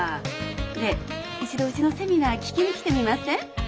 ねえ一度うちのセミナー聞きに来てみません？